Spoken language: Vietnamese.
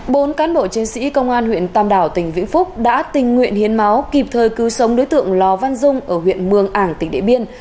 bốn cán bộ chiến sĩ công an huyện tam đảo tỉnh vĩnh phúc đã tình nguyện hiến máu kịp thời cứu sống đối tượng lò văn dung ở huyện mường ảng tỉnh điện biên